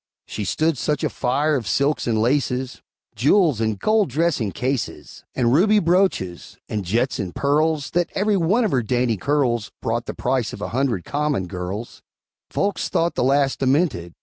She stood such a fire of silks and laces, Jewels and gold dressing cases, And ruby brooches, and jets and pearls, That every one of her dainty curls Brought the price of a hundred common girls; Folks thought the lass demented!